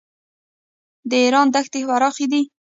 د ایران دښتې پراخې دي.